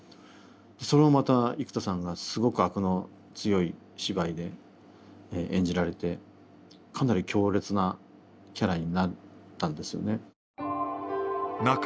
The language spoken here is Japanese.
それをまた生田さんがすごくアクの強い芝居で演じられてかなり強烈なキャラになったんですよね。